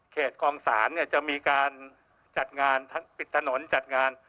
เขตกองศาลเนี่ยจะมีการจัดงานปิดถนนจัดงาน